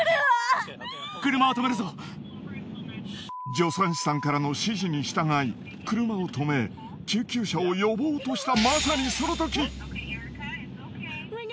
助産師さんからの指示に従い車を停め救急車を呼ぼうとした。